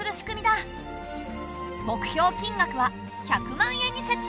目標金額は１００万円に設定。